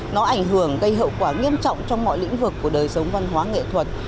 nó ảnh hưởng gây hậu quả nghiêm trọng trong mọi lĩnh vực của đời sống văn hóa nghệ thuật